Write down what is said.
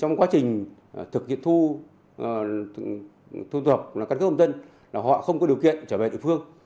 trong quá trình thực hiện thu thu thuộc căn cước công dân họ không có điều kiện trở về địa phương